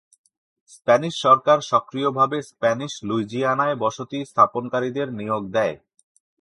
Spanish সরকার সক্রিয়ভাবে Spanish লুইজিয়ানায় বসতি স্থাপনকারীদের নিয়োগ দেয়।